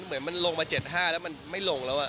เหมือนมันลงมา๗๕กิโลกรัมแล้วมันไม่ลงแล้ว